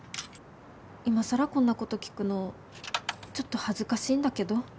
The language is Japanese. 今更こんなこと聞くのちょっと恥ずかしいんだけど。